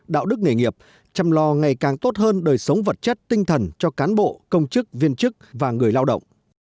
đạo đức nghề nghiệp chăm lo ngày càng tốt hơn đời sống vật chất tinh thần cho cán bộ công chức viên chức và người lao động